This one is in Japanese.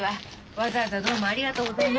わざわざどうもありがとうございました。